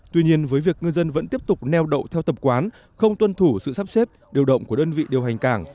tuy nhiên với việc ngư dân vẫn tiếp tục neo đậu theo tập quán không tuân thủ sự sắp xếp điều động của đơn vị điều hành cảng